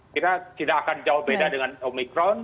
kita tidak akan jauh beda dengan omikron